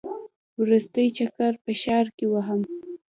وروستی چکر په ښار کې وهم.